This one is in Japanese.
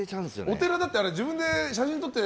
お寺だって自分で写真を撮って。